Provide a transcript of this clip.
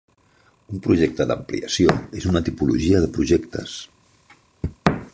Un projecte d'ampliació és una tipologia de projectes.